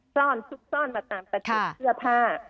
ซ่อนซุกซ่อนมาตามประชุดเสื้อผ้า